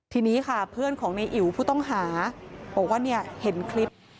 ทีนี้ค่ะเพื่อนของในอิ๋วผู้ต้องหาบอกว่าเนี่ยเห็นคลิป